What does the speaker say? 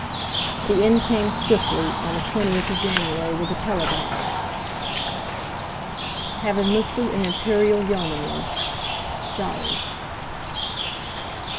The end came swiftly on the 20th of January with a telegram: "Have enlisted in Imperial Yeomanry.—JOLLY."